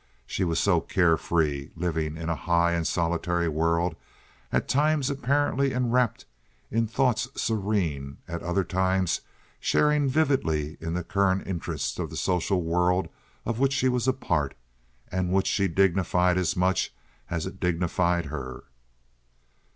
She was so care free, living in a high and solitary world, at times apparently enwrapt in thoughts serene, at other times sharing vividly in the current interests of the social world of which she was a part, and which she dignified as much as it dignified her.